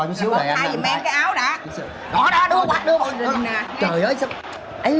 ủa cái gì